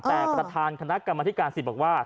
แต่ประธานคณะกรรมธิการสิทธิ์บอกว่า